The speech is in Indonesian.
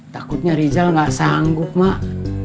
takutnya rizal gak sanggup mak